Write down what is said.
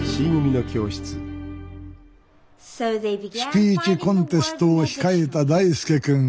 スピーチコンテストを控えた大介君。